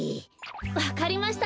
わかりました。